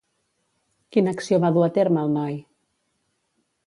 Quina acció va dur a terme el noi?